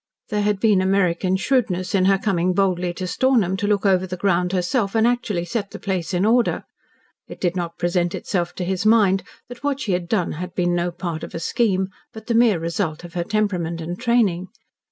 There had been American shrewdness in her coming boldly to Stornham to look over the ground herself and actually set the place in order. It did not present itself to his mind that what she had done had been no part of a scheme, but the mere result of her temperament and training.